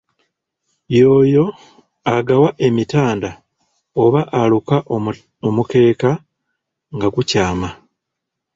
Y'oyo agawa emitanda oba aluka omukeeka nga gukyama.